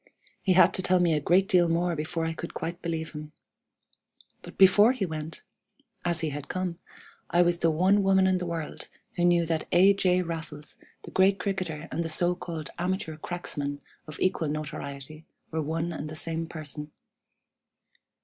He had to tell me a great deal more before I could quite believe him. But before he went (as he had come) I was the one woman in the world who knew that A. J. Raffles, the great cricketer, and the so called 'amateur cracksman' of equal notoriety, were one and the same person.